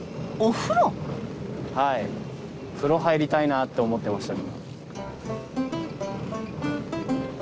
風呂入りたいなって思ってましたよ。